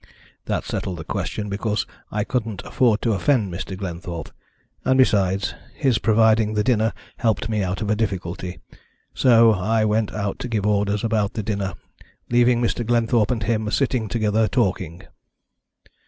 That settled the question, because I couldn't afford to offend Mr. Glenthorpe, and besides, his providing the dinner helped me out of a difficulty. So I went out to give orders about the dinner, leaving Mr. Glenthorpe and him sitting together talking."